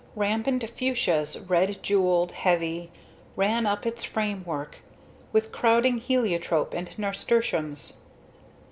Rampant fuchsias, red jewelled, heavy, ran up its framework, with crowding heliotrope and nasturtiums.